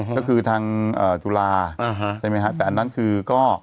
ก็คือทางจุฬาใช่ไหมฮะแต่อันนั้นคือก็